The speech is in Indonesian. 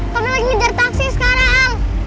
kami lagi ngejar taksi sekarang